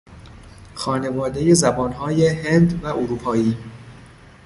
خانوادهی زبانهای هند و اروپایی